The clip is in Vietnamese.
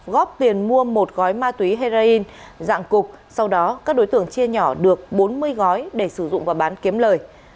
góp tiền mua một gói ma túy heroin dạng cục sau đó các đối tượng chia nhỏ được bốn mươi gói để sử dụng và bán kiếm lời